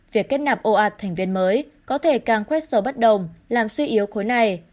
việc kết nạp ồ ạt thành viên mới có thể càng khoét sâu bất đồng làm suy yếu khối này